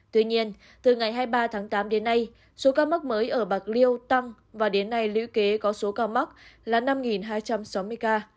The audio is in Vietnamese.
tuy nhiên từ ngày hai mươi ba tháng tám đến nay số ca mắc mới ở bạc liêu tăng và đến nay lũy kế có số ca mắc là năm hai trăm sáu mươi ca